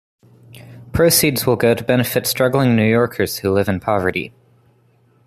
Proceeds will go to benefit struggling New Yorkers who live in poverty.